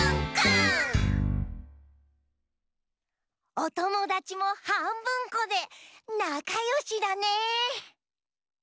おともだちもはんぶんこでなかよしだね。